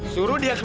suruh dia keluar